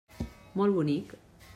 Molt bonic.